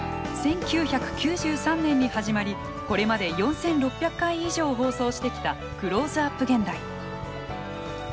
１９９３年に始まりこれまで４，６００回以上放送してきた「クローズアップ現代」。